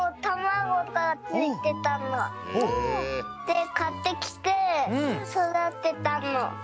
でかってきてそだてたの。